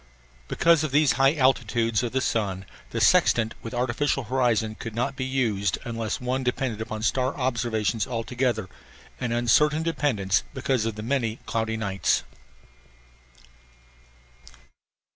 Because of these high altitudes of the sun the sextant with artificial horizon could not be used unless one depended upon star observations altogether, an uncertain dependence because of the many cloudy nights.